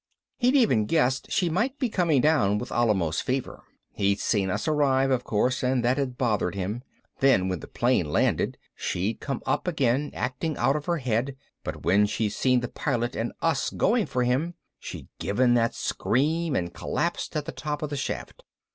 He'd even guessed she might be coming down with Alamos fever. He'd seen us arrive, of course, and that had bothered him. Then when the plane landed she'd come up again, acting out of her head, but when she'd seen the Pilot and us going for him she'd given that scream and collapsed at the top of the shaft.